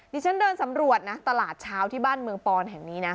ที่ฉันเดินสำรวจนะตลาดเช้าที่บ้านเมืองปอนแห่งนี้นะ